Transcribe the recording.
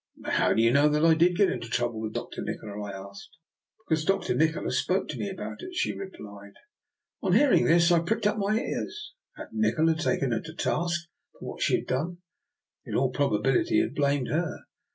But how did you know that I did get into trouble with Nikola? " I asked. *' Because Dr. Nikola spoke to me about it/' she replied. On hearing this, I pricked up my ears. Had Nikola taken her to task for what she had done? In all probability he had blamed her.